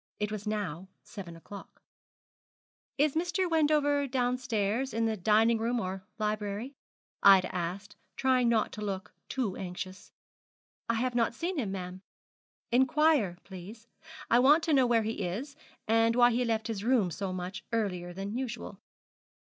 It was now seven o'clock. 'Is Mr. Wendover downstairs in the dining room or library?' Ida asked, trying not to look too anxious. 'I have not seen him, ma'am.' 'Inquire, please. I want to know where he is, and why he left his room so much earlier than usual.'